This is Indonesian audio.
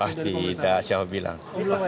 ah tidak siapa bilang